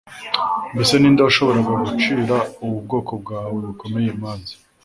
mbese ni nde washobora gucira ubu bwoko bwawe bukomeye imanza